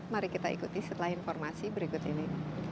mari kita ikuti setelah informasi berikut ini